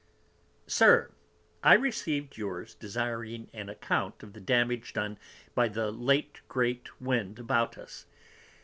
_ SIR, I received yours, desiring an Account of the Damage done by the late great Wind about us.